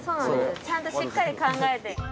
ちゃんとしっかり考えて。